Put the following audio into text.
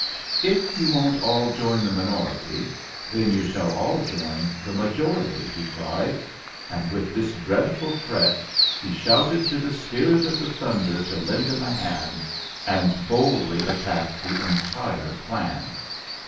"If you won't all join the minority, then you shall all join the majority!" he cried, and with this dreadful threat he shouted to the Spirit of the Thunder to lend him a hand, and boldly attacked the entire clan